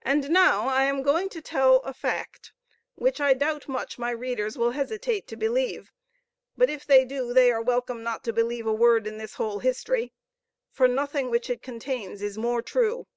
And now I am going to tell a fact, which I doubt much my readers will hesitate to believe; but if they do, they are welcome not to believe a word in this whole history for nothing which it contains is more true.